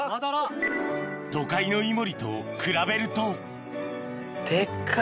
都会のイモリと比べるとデッカい。